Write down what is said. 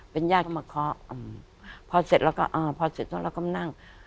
เป็นยากเข้ามาค้อพอเสร็จเราก็เออพอเสร็จแล้วเราก็มานั่ง